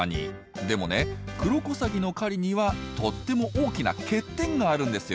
でもねクロコサギの狩りにはとっても大きな欠点があるんですよ。